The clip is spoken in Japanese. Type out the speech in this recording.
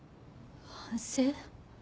反省？